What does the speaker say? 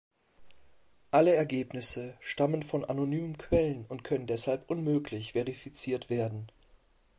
Alle Ergebnisse stammen von anonymen Quellen und können deshalb unmöglich verifiziert werden.